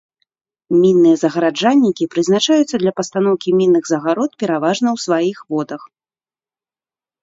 Мінныя загараджальнікі прызначаюцца для пастаноўкі мінных загарод пераважна ў сваіх водах.